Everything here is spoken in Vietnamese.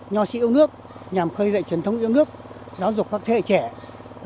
nho sĩ yêu nước nhằm khơi dạy truyền thông yêu nước giáo dục các thế hệ trẻ